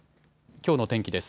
きょうの天気です。